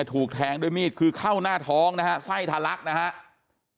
ถูกแทงด้วยมีดคือเข้าหน้าท้องนะฮะไส้ทะลักนะครับ